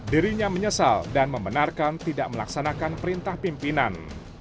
dirinya menyesal dan membenarkan tidak melaksanakan perintah pimpinan